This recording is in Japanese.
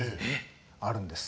あるんです。